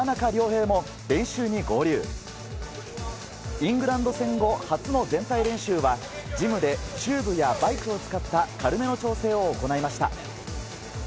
イングランド戦後初の全体練習はジムでチューブやバイクを使った軽めの調整を行いました。